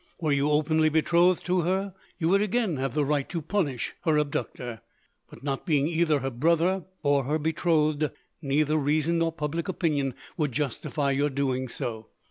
Were you openly betrothed to her, you would again have the right to punish her abductor; but, not being either her brother or her betrothed, neither reason nor public opinion would justify your doing so.